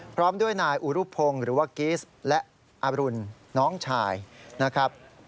พร้อมด้วยนายอุรุพงศ์หรือว่ากิสและอรุณน้องชายนะครับ